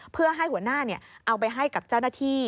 เพื่อให้หัวหน้าเอาไปให้กับเจ้าหน้าที่